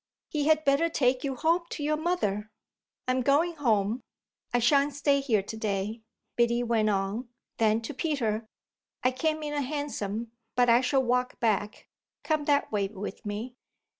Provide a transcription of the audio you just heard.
"He had better take you home to your mother." "I'm going home I shan't stay here to day," Biddy went on. Then to Peter: "I came in a hansom, but I shall walk back. Come that way with me."